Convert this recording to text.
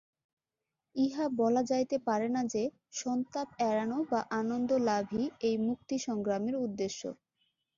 ইহা বলা যাইতে পারে না যে, সন্তাপ এড়ান বা আনন্দলাভই এই মুক্তি-সংগ্রামের উদ্দেশ্য।